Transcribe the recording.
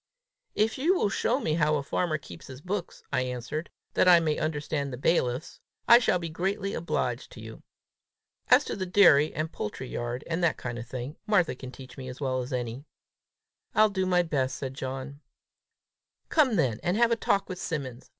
"If you will show me how a farmer keeps his books," I answered, "that I may understand the bailiff's, I shall be greatly obliged to you. As to the dairy, and poultry yard, and that kind of thing, Martha can teach me as well as any." "I'll do my best," said John. "Come along then, and have a talk with Simmons!